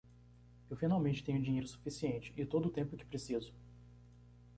Eu finalmente tenho dinheiro suficiente? e todo o tempo que preciso.